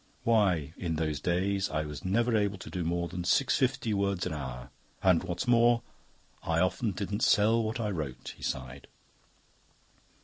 Why, in those days I was never able to do more than six fifty words an hour, and what's more, I often didn't sell what I wrote." He sighed.